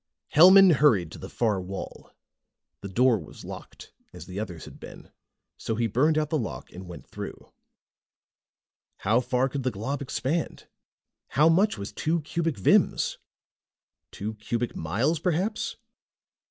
Hellman hurried to the far wall. The door was locked, as the others had been, so he burned out the lock and went through. How far could the glob expand? How much was two cubic vims? Two cubic miles, perhaps?